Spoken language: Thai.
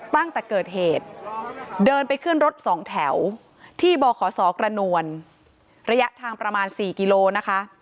ตั้งแต่เกิดเหตุเดินไปขึ้นรถสองแถวที่บขศกระนวลระยะทางประมาณ๔กิโลนะคะ